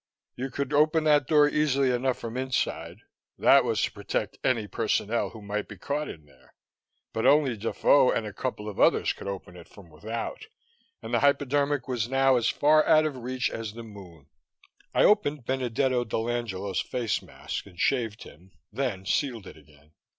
You could open that door easily enough from inside that was to protect any personnel who might be caught in there. But only Defoe and a couple of others could open it from without, and the hypodermic was now as far out of reach as the Moon. I opened Benedetto dell'Angela's face mask and shaved him, then sealed it again.